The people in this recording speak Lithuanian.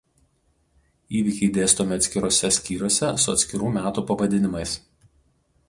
Įvykiai dėstomi atskiruose skyriuose su atskirų metų pavadinimais.